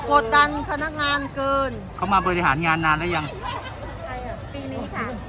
กดดันคณะงานเกินเขามาบริหารงานนานแล้วยังปีนี้ค่ะ